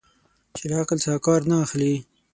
چې له عقل څخه کار نه اخلي.